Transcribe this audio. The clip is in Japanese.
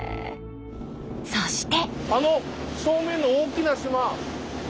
そして。